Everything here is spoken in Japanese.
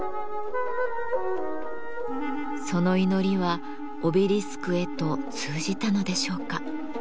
その祈りはオベリスクへと通じたのでしょうか？